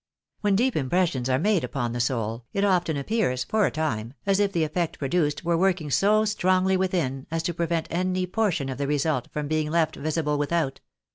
When deep impressions are made upon the soul, it often appears, for a time, as if the effect produced were working so strongly within as to prevent any portion of the result from being left visible without.